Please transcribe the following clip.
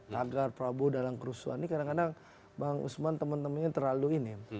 tagar prabowo dalam kerusuhan ini kadang kadang bang usman teman temannya terlalu ini